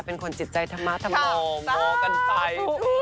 เป็นคนจิตใจธรรมะธมง้อกันไป